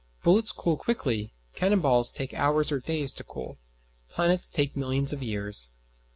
Bullets cool quickly, cannon balls take hours or days to cool, planets take millions of years.